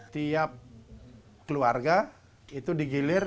tiap keluarga itu digilir